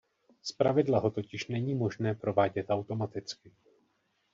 Zpravidla ho totiž není možné provádět automaticky.